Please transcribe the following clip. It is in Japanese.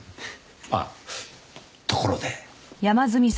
あっところで。